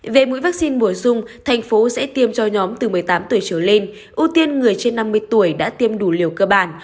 về mũi vaccine bổ dung thành phố sẽ tiêm cho nhóm từ một mươi tám tuổi trở lên ưu tiên người trên năm mươi tuổi đã tiêm đủ liều cơ bản